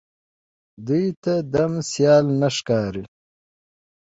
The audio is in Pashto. دوی ته ډم سيال نه ښکاري